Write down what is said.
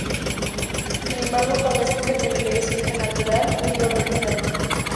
Sin embargo, cuando descubre que en realidad es su hija natural, huye horrorizado.